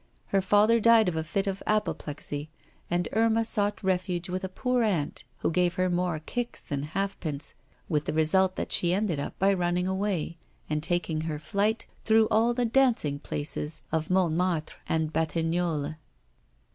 Her father died of a fit of apoplexy, and Irma sought refuge with a poor aunt, who gave her more kicks than halfpence, with the result that she ended by running away, and taking her flight through all the dancing places of Montmartre and Batignolles.